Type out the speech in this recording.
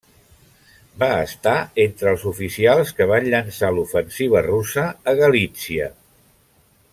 Va estar entre els oficials que van llançar l'ofensiva russa a Galítzia.